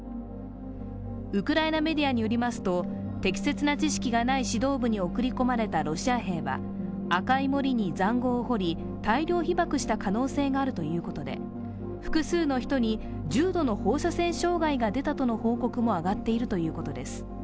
ウクライナメディアによりますと、適切な知識がない指導部に送り込まれたロシア兵は赤い森に塹壕を掘り、大量被爆した可能性があるということで、複数の人に重度の放射線障害が出たとの報告も上がっているということです。